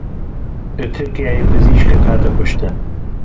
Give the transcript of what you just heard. Li Tirkiyeyê pizîşkek hat kuştin.